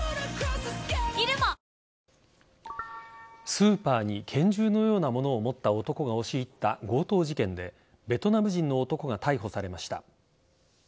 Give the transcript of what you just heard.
スーパーに拳銃のようなものを持った男が押し入った強盗事件でベトナム人の男が逮捕されました。